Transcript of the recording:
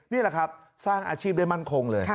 นี่แหละครับสร้างอาชีพได้มั่นคงเลย